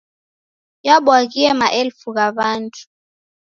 Yabwaghie maelfu gha w'andu.